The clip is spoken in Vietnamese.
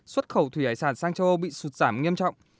xuất khẩu thủy hải sản sang châu âu bị sụt giảm nghiêm trọng